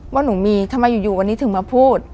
ว่าหนูมีทำไมอยู่วันนี้ถึงมาพูด